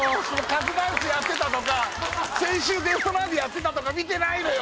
カズダンスやってたとか先週デストラーデやってたとか見てないのよ